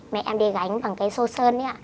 mẹ em đi gánh bằng cái xô sơn đấy ạ